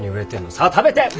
さあ食べて！